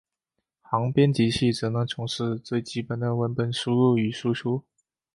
行编辑器只能从事最基本的文本输入与输出。